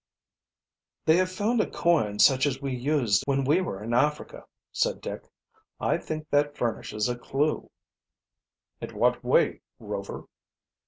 "They have found a coin such as we used when as we were in Africa," said Dick. "I think that furnishes a clew." "In what way, Rover?"